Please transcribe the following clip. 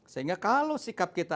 sehingga kalau sikap kita